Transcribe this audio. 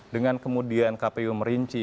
dengan kemudian kpu merinci